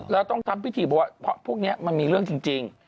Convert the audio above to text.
แล้วต้องทำพิธีเพราะว่าพวกเนี้ยมันมีเรื่องจริง